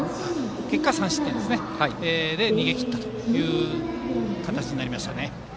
結果は３失点ですが逃げ切った形になりましたね。